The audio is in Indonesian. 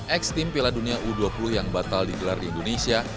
ex team piala dunia u dua puluh yang batal digelar di indonesia